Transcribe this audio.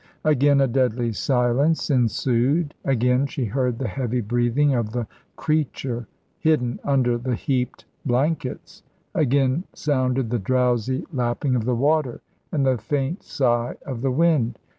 Again a deadly silence ensued; again she heard the heavy breathing of the creature hidden under the heaped blankets; again sounded the drowsy lapping of the water and the faint sigh of the wind.